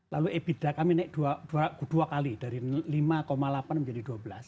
lalu ebida kami naik dua kali dari lima delapan menjadi dua belas